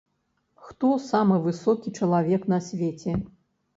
Хто самы высокі чалавек на свеце?